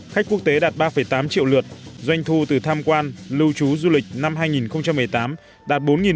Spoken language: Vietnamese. khách quốc tế đạt ba tám triệu lượt doanh thu từ tham quan lưu trú du lịch năm hai nghìn một mươi tám đạt bốn bảy trăm linh